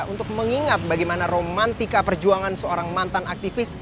untuk mengingat bagaimana romantika perjuangan seorang mantan aktivis